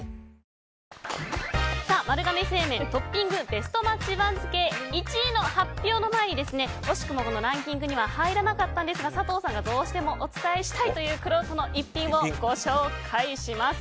ベストマッチ番付１位の発表の前に惜しくもランキングには入らなかったんですが佐藤さんがどうしてもお伝えしたいというくろうとの逸品をご紹介します。